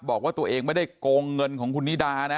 บอกว่าตัวเองไม่ได้โกงเงินของคุณนิดานะ